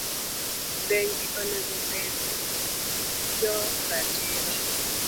bengi onego bed jo ratiro.